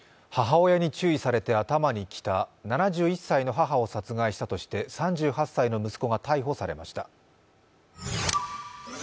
７１歳の母を殺害したとして３８歳の息子が逮捕されました。